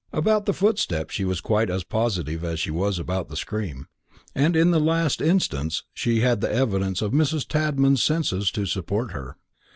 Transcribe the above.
About the footsteps she was quite as positive as she was about the scream; and in the last instance she had the evidence of Mrs. Tadman's senses to support her.